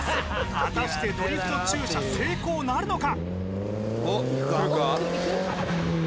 果たしてドリフト駐車成功なるのか？